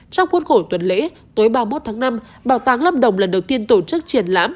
trong cuốn khổ tuần lễ tối ba mươi một tháng năm bảo tàng lâm đồng lần đầu tiên tổ chức triển lãm